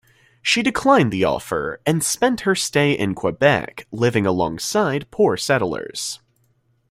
She declined the offer and spent her stay in Quebec living alongside poor settlers.